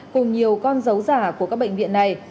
cùng nhiều con dấu giả của các bệnh viện này